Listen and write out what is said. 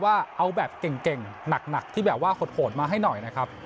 ว่าเอาแบบเก่งหนักที่แบบว่าโหดมาให้หน่อยนะครับ